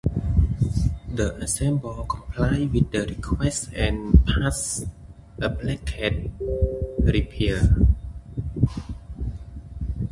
The assembly complied with the request and passed a blanket repeal.